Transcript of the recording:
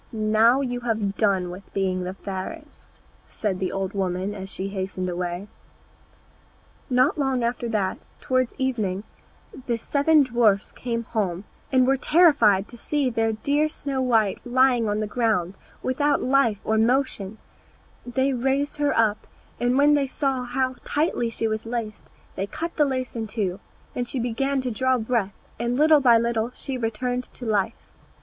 "Now you have done with being the fairest," said the old woman as she hastened away. Not long after that, towards evening, the seven dwarfs came home, and were terrified to see their dear Snow white lying on the ground, without life or motion; they raised her up, and when they saw how tightly she was laced they cut the lace in two; then she began to draw breath, and little by little she returned to life.